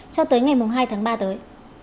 cho tới ngày hai tháng ba tới